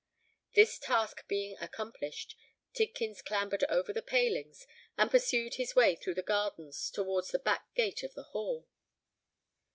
This task being accomplished, Tidkins clambered over the palings, and pursued his way through the gardens towards the back gate of the Hall.